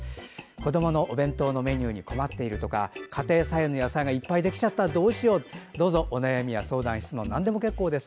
子どものお弁当のメニューに困っているとか家庭菜園の野菜がいっぱいできちゃったどうしよう？とかどうぞお悩みや相談や質問なんでも結構です。